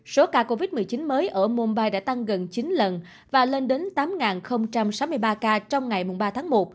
số ca covid một mươi chín mới ở mumbai đã tăng gần chín lần và lên đến tám sáu mươi ba ca trong ngày ba tháng một